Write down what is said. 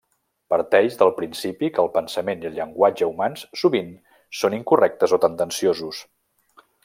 Parteix del principi que el pensament i el llenguatge humans sovint són incorrectes o tendenciosos.